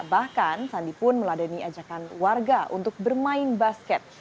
bahkan sandi pun meladani ajakan warga untuk bermain basket